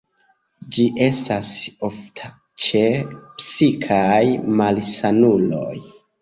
Ĝi estas ofta ĉe psikaj malsanuloj.